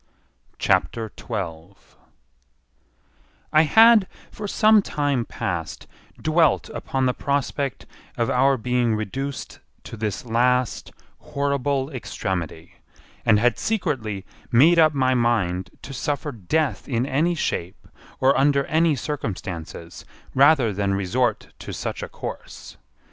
CHAPTER 12 I had for some time past, dwelt upon the prospect of our being reduced to this last horrible extremity, and had secretly made up my mind to suffer death in any shape or under any circumstances rather than resort to such a course.